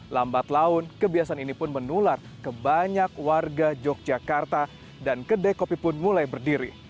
lambat laun kebiasaan ini pun menular ke banyak warga yogyakarta dan kedai kopi pun mulai berdiri